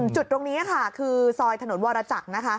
จุดตรงนี้คือซอยถนนวรจักร